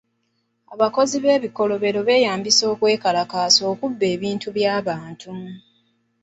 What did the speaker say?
Abakozi b'ebikolobero beyambisa okwekalakaasa okubba ebintu by'abantu.